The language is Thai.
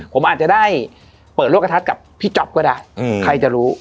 ผมอาจจะได้เปิดโลกกระทัดกับพี่จ๊อปก็ได้ใครจะรู้